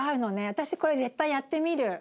私これ絶対やってみる！